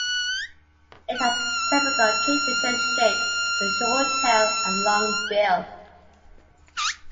It has the typical kingfisher shape, with a short tail and long bill.